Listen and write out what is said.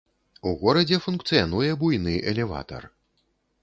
У горадзе функцыянуе буйны элеватар.